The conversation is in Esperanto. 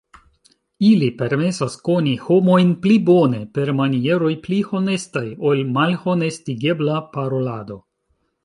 Ili permesas koni homojn pli bone, per manieroj pli honestaj ol malhonestigebla parolado.